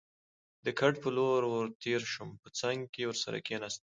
د کټ په لور ور تېر شوم، په څنګ کې ورسره کېناستم.